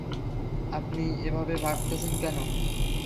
আপনি এভাবে ভাগতেছেন কেন?